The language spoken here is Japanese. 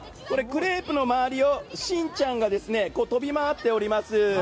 クレープの周りをしんちゃんが飛び回っております。